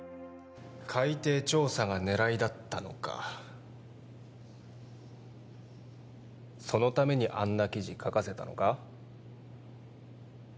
海底調査が狙いだったのかそのためにあんな記事書かせたのか？